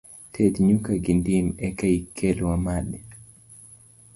Ted nyuka gi dim eka ikel wamadhi.